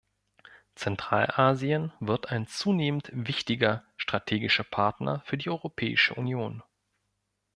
Zentralasien wird ein zunehmend wichtiger strategischer Partner für die Europäische Union.